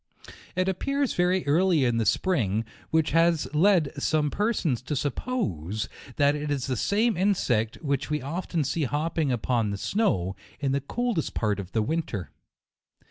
It appears very early in the spring, which has led some persons to suppose that it is the same insect which we often see hopping upon the snow, in the coldest part of the winter.